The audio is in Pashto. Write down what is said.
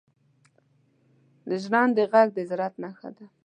• د ژرندې ږغ د زراعت نښه ده.